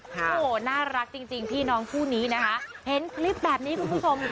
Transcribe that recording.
โอ้โหน่ารักจริงพี่น้องคู่นี้นะคะเห็นคลิปแบบนี้คุณผู้ชม